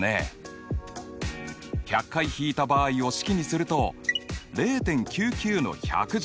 １００回引いた場合を式にすると０．９９の１００乗。